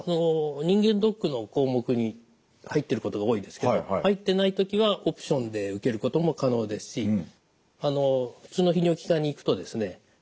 人間ドックの項目に入ってることが多いですけど入ってない時はオプションで受けることも可能ですし普通の泌尿器科に行くとですね